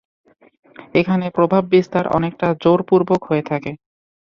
এখানে প্রভাব বিস্তার অনেকটা জোর পূর্বক হয়ে থাকে।